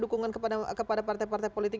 dukungan kepada partai partai politik